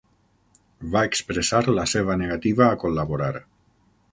Va expressar la seva negativa a col·laborar.